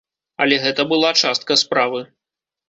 Але гэта была частка справы.